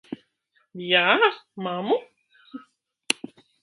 Jā, mammu?